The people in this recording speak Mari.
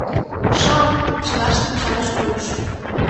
— Ша! — чылаштым чарыш Колюш.